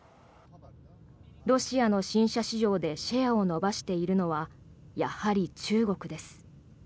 ロシアの新車市場でシェアを伸ばしているのはやはり、中国です。